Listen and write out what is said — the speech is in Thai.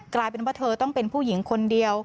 กลายเป็นว่าเธอต้องเป็นผู้หญิงคนเดียว